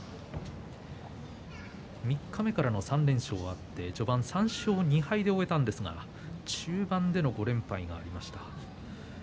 三日目からの３連勝があって序盤を３勝２敗で終えたんですが中盤での５連敗がありました。